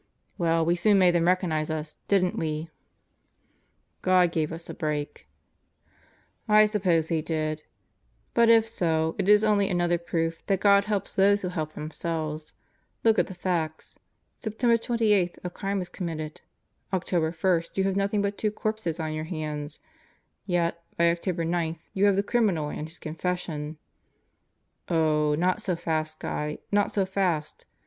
..." "Well, we soon made them recognize us, didn't we?" "God gave us a break." "I suppose He did. But if so, it is only another proof that God Chief Price Is Uneasy 5 helps those who help themselves. Look at the facts: Septe^d been a crime is committed. October 1 you have nothing but W>ipe and, on your hands. Yet, by October 9 you have the crLrom eight his confession " morning. "Oh, not so fast, Guy. Not so fast.